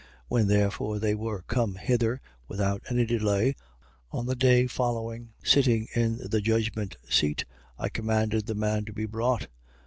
25:17. When therefore they were come hither, without any delay, on the day following, sitting in the judgment seat, I commanded the man to be brought.